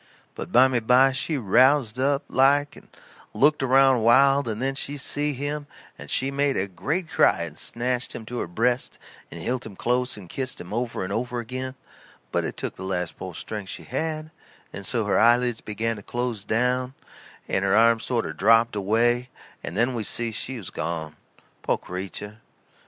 But bymeby she roused up, like, and looked around wild, and then she see him, and she made a great cry and snatched him to her breast and hilt him close and kissed him over and over agin; but it took the last po' strength she had, and so her eyelids begin to close down, and her arms sort o' drooped away and then we see she was gone, po' creetur.